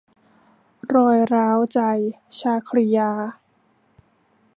รอยร้าวใจ - ชาครียา